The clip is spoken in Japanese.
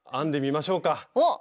おっ！